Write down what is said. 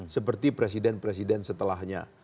seperti presiden presiden setelahnya